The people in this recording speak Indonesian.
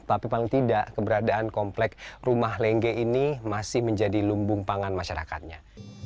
tapi paling tidak keberadaan komplek rumah lengge ini masih menjadi lumbung pangan masyarakatnya